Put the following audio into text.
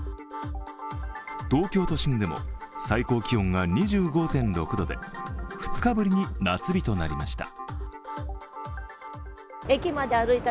東京都心でも最高気温が２５．６度で、２日ぶりに夏日となりました。